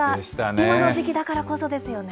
今の時期だからこそですよね。